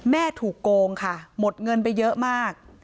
แม่ถูกโกงค่ะหมดเงินไปเยอะมาก